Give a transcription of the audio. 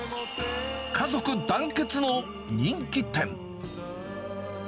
家族団結の人気店。